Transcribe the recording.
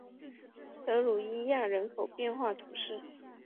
德吕伊亚人口变化图示